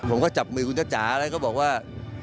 ผมก็จับมือคุณจ้าจ๋าแล้วก็บอกว่า